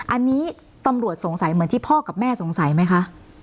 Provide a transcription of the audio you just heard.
อันนี้ตำรวจสงสัยเหมือนที่พ่อกับแม่สงสัยไหมคะ